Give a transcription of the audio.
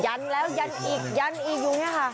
ันแล้วยันอีกยันอีกอย่างนี้ค่ะ